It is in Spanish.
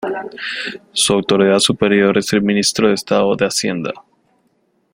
Su autoridad superior es el Ministro de Estado de Hacienda.